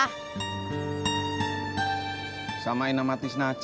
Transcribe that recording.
kau mau main atau naik